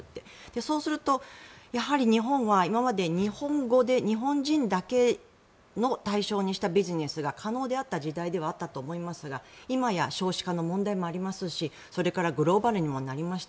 そうすると、やはり日本は今まで日本語で日本人だけを対象にしたビジネスが可能であった時代ではあったと思いますが今や少子化の問題もありますしそれからグローバルにもなりました。